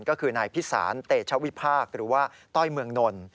ก็คือนายพิสารเตชวิพากษ์หรือว่าต้อยเมืองนล